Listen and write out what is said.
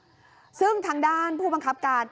พอหลังจากเกิดเหตุแล้วเจ้าหน้าที่ต้องไปพยายามเกลี้ยกล่อม